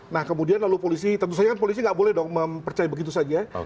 nah kemudian lalu polisi tentu saja kan polisi nggak boleh dong mempercaya begitu saja